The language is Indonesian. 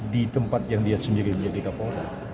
di tempat yang dia sendiri menjadi kapolda